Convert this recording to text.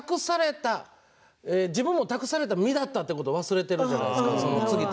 自分も託された身だったということを忘れているじゃないですか。